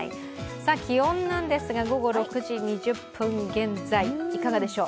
気温なんですが、午後６時２０分現在いかがでしょう。